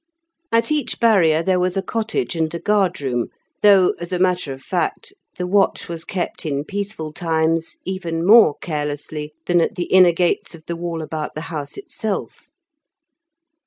At each barrier there was a cottage and a guard room, though, as a matter of fact, the watch was kept in peaceful times even more carelessly than at the inner gates of the wall about the House itself.